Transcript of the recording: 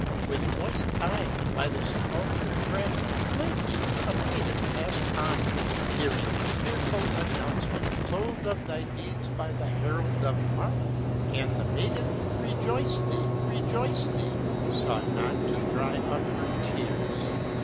With moist eye, by the sepulchre dreaded, Lately a maiden passed onward, Hearing the fearful announcement Told of thy deeds by the herald of marble; And the maiden rejoice thee! rejoice thee! Sought not to dry up her tears.